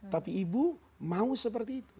tapi ibu mau seperti itu